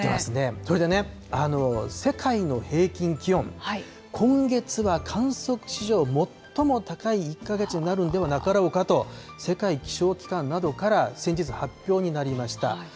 それでね、世界の平均気温、今月は観測史上最も高い１か月になるんではなかろうかと、世界気象機関などから先日、発表になりました。